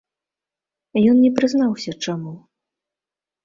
Ён не прызнаўся, чаму.